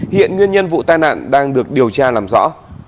hiện nguyên nhân vụ tai nạn đang được điều tra làm rõ